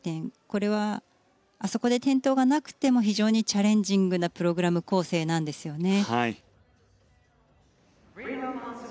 これは、あそこで転倒がなくても非常にチャレンジングなプログラム構成なんですね。